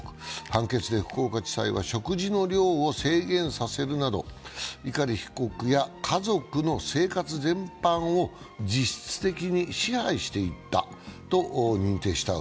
判決で福岡地裁は、食事の量を制限させるなど碇被告や家族の生活全般を実質的に支配していったと認定した。